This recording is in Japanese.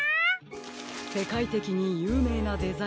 せかいてきにゆうめいなデザイナーですね。